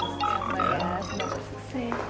selamat ya semoga sukses